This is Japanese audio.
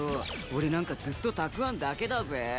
俺なんかずっと、たくあんだけだぜ。